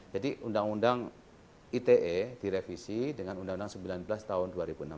jadi undang undang ite direvisi dengan undang undang sembilan belas tahun dua ribu enam belas